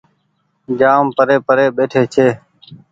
جآم پري پري ٻيٺي ڇي۔